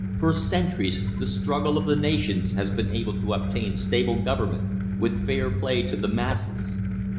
For centuries the struggle of the nations has been to obtain stable government, with fair play to the masses.